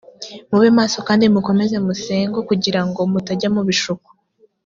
mube maso kandi mukomeze musengo kugira ngo mutajya mu bishuko